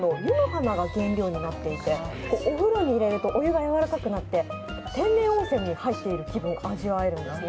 花が原料になっていてお風呂に入れるとお湯がやわらかくなって天然温泉に入っている気分を味わえるんです。